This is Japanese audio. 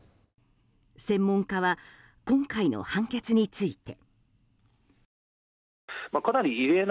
専門家は今回の判決について。